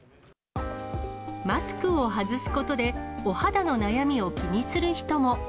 マスクを外すことで、お肌の悩みを気にする人も。